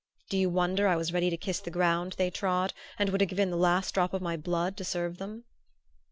Do you wonder I was ready to kiss the ground they trod, and would have given the last drop of my blood to serve them?